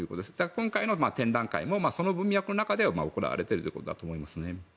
今回の展覧会もその文脈の中で行われているんだと思います。